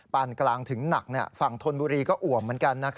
ปานกลางถึงหนักฝั่งธนบุรีก็อ่วมเหมือนกัน